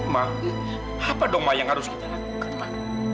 ma apa dong ma yang harus kita lakukan ma